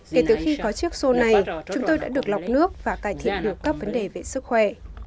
kể từ khi có chiếc xô này chúng tôi đã được lọc nước và cải thiện được các vấn đề về sức khỏe